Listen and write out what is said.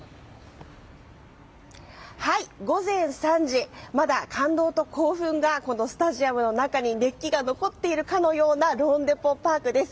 午前３時、まだ感動と興奮がこのスタジアムの中に熱気が残っているかのようなローンデポ・パークです。